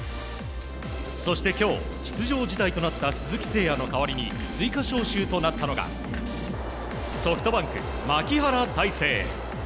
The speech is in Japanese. そして今日、出場辞退となった鈴木誠也の代わりに追加招集となったのがソフトバンク、牧原大成。